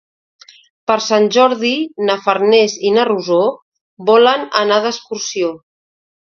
Per Sant Jordi na Farners i na Rosó volen anar d'excursió.